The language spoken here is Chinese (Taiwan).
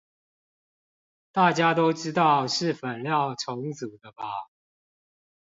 大家都知道是粉料重組的吧